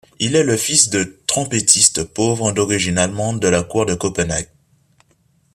Il est le fils d’un trompettiste pauvre d'origine allemande de la cour de Copenhague.